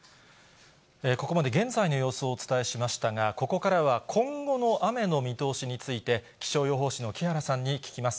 ここまで現在の様子をお伝えしましたが、ここからは今後の雨の見通しについて、気象予報士の木原さんに聞きます。